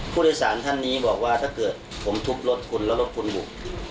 ผู้โดยสารท่านนี้บอกว่าถ้าเกิดผมทุบรถคุณแล้วรถคุณบุก